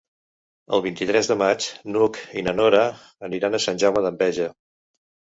El vint-i-tres de maig n'Hug i na Nora aniran a Sant Jaume d'Enveja.